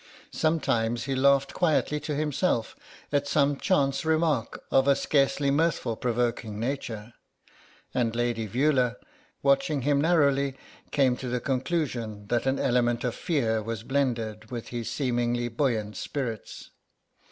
Sometimes he laughed quietly to himself at some chance remark of a scarcely mirth provoking nature, and Lady Veula, watching him narrowly, came to the conclusion that an element of fear was blended with his seemingly buoyant spirits.